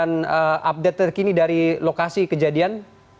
terima kasih dan update terkini dari lokasi kejadian